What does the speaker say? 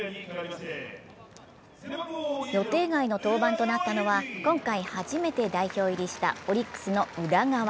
予定外の登板となったのは、今回初めて代表入りしたオリックスの宇田川。